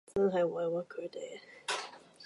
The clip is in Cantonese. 真係委屈佢哋